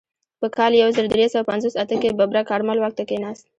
په کال یو زر درې سوه پنځوس اته کې ببرک کارمل واک ته کښېناست.